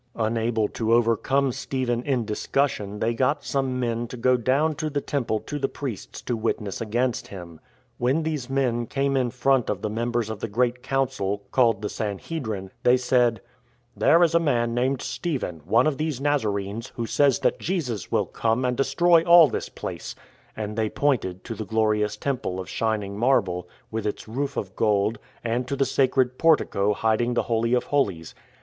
Unable to overcome Stephen in discussion they got some men to go down to the Temple to the priests to witness against him. When these men came in front of the members of the great council, called the San hedrin, they said : "There is a man named Stephen, one of these Nazarenes, who says that Jesus will come and destroy all this place "— and they pointed to the glorious Temple of shining marble, with its roof of gold, and to the sacred portico hiding the Holy of" Holies.